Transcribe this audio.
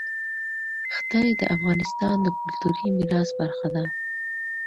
ښتې د افغانستان د کلتوري میراث برخه ده.